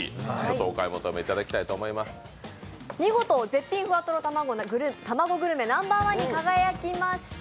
見事、絶品ふわとろ卵グルメに輝きました